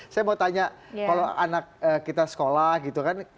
saya mau tanya kalau anak kita sekolah gitu kan